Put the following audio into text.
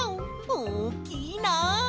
おおきいなあ。